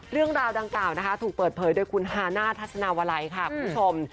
เรื่องราวดังกล่าวนะคะถูกเปิดเผยโดยคุณฮาน่าทัศนาวลัยค่ะคุณผู้ชม